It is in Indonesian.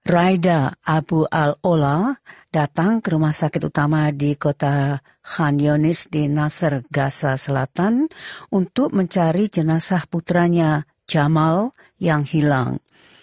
raida abu al ola datang ke rumah sakit utama di kota han yonis di naser gasa selatan untuk mencari jenazah putranya jamal yang hilang